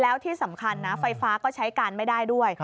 แล้วที่สำคัญนะไฟฟ้าก็ใช้การไม่ได้ด้วย